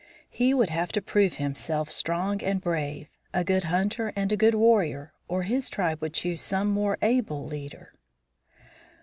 He would have to prove himself strong and brave, a good hunter and a good warrior, or his tribe would choose some more able leader.